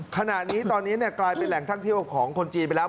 ขณะนี้ตอนนี้กลายเป็นแหล่งท่องเที่ยวของคนจีนไปแล้ว